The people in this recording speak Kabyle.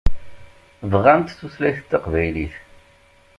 Bɣant tutlayt taqbaylit.